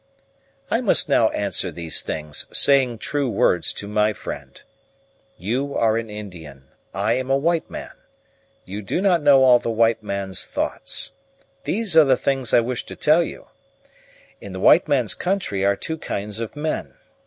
I must now answer these things, saying true words to my friend. You are an Indian, I am a white man. You do not know all the white man's thoughts. These are the things I wish to tell you. In the white man's country are two kinds of men.